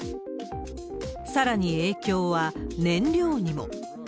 さらに影響は燃料にも。